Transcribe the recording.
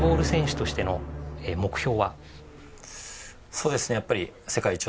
そうですねやっぱり。